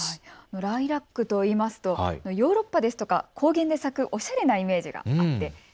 ライラックと言いますとヨーロッパですとか高原で咲くおしゃれなイメージがあります。